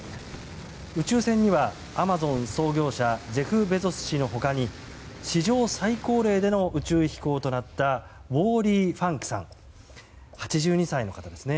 宇宙船には、アマゾン創業者ジェフ・ベゾス氏の他に史上最高齢での宇宙飛行となったウォーリー・ファンクさん８２歳の方ですね。